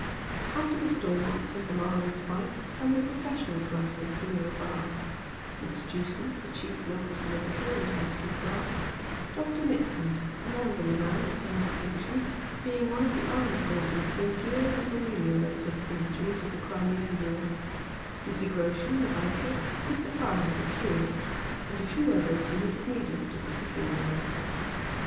After the Stonnonts and the Marlin Spykes come the profes sional classes below Bar ; Mr. Jewson, the chief local solicitor and vestry clerk ; Dr. Mitsand, an elderly man of some distinc tion, being one of the army surgeons who endured and ameliorated the miseries of the Crimean war ; Mr. Groshen, the banker ; Mr. FaiTcr, the curate ; and a few others, whom it is needSss to par dcuiarize.